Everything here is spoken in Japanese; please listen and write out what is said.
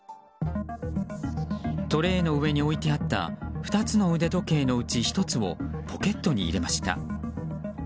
トレーの上に置いてあった２つの腕時計のうち１つをポケットに入れました。